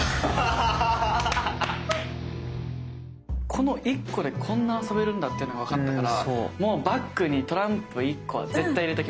この１個でこんな遊べるんだっていうのが分かったからもうバッグにトランプ１個は絶対入れときます。